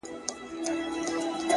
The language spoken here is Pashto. • د هندو او مرهټه په جنګ وتلی,